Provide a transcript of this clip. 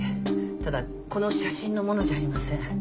ただこの写真のものじゃありません。